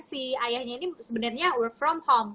si ayahnya ini sebenarnya work from home